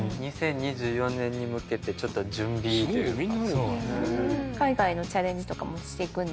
２０２４年に向けてちょっと準備というか。